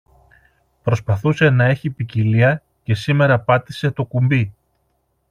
Προσπαθούσε να έχει ποικιλία και σήμερα πάτησε το κουμπί